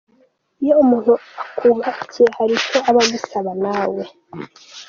Iyo umuntu akubakiye hari icyo aba agusaba nawe